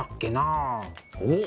おっ！